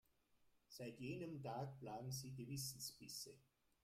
Seit jenem Tag plagen sie Gewissensbisse.